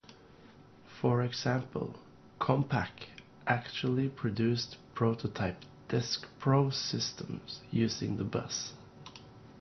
For example, Compaq actually produced prototype DeskPro systems using the bus.